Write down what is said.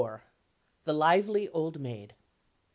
THE LIVELY OLD MAID.